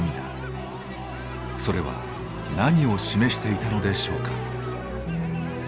それは何を示していたのでしょうか。